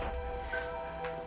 dia sudah berakhir